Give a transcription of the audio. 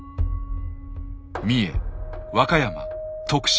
三重和歌山徳島